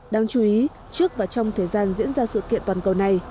đáng chú ý trước và trong thời gian diễn ra sự kiện toàn cầu này